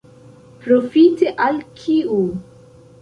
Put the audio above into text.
Profite al kiu?